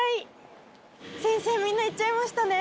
先生みんな行っちゃいましたね。